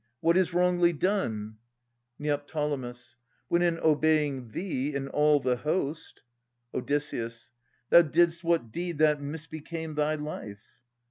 What is wrongly done? Neo. When in obeying thee and all the host Od. Thou didst what deed that misbecame thy life